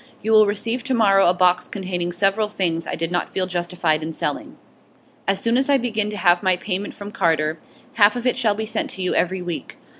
You will receive to morrow a box containing several things I did not feel justified in selling. As soon as I begin to have my payment from Carter, half of it shall be sent to you every week.